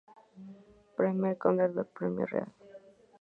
Primer Conde de Premio Real.